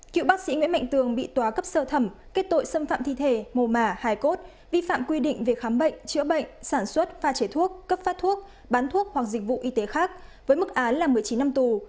cựu bác sĩ nguyễn mạnh tường bị tòa cấp sơ thẩm kết tội xâm phạm thi thể mô mà hài cốt vi phạm quy định về khám bệnh chữa bệnh sản xuất pha chế thuốc cấp phát thuốc bán thuốc hoặc dịch vụ y tế khác với mức án là một mươi chín năm tù